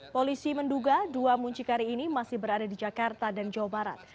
polisi menduga dua muncikari ini masih berada di jakarta dan jawa barat